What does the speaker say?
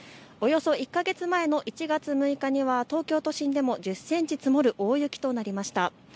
およそ１か月前の１月６日には東京都心でも１０センチ積もる大雪となりました。